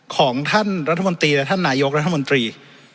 ของท่านรัฐมนตรีและท่านนายกรัฐมนตรี